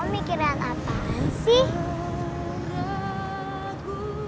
om mikirin apaan sih